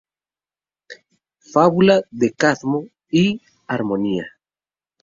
Fábula de Cadmo y Harmonía".